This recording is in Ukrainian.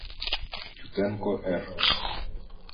Тютенко Р.